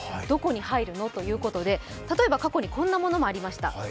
どこに入るの？ということで、例えば過去にこんなものもありました。